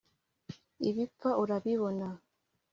ibipfa urabibona